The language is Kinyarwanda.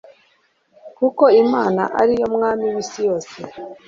kuko imana ari yo mwami w'isi yose